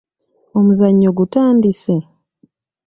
Omuzannyo gutandise?